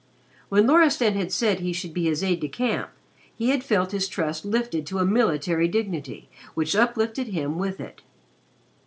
When Loristan had said he should be his aide de camp, he had felt his trust lifted to a military dignity which uplifted him with it.